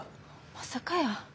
まさかやー。